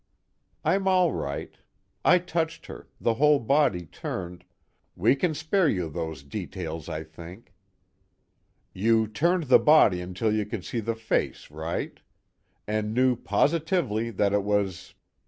"I'm all right. I touched her, the whole body turned " "We can spare you those details, I think. You turned the body until you could see the face, right? And knew positively that it was